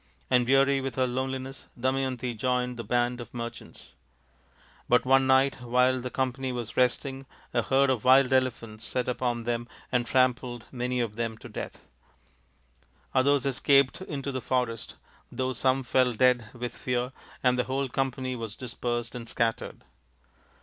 And weary with her loneliness Damayanti joined the band of merchants. But one night while the com pany was resting a herd of wild elephants set upon them and trampled many of them to death. Others escaped into the forest, though some fell dead with fear, and the whole company was dispersed and scattered.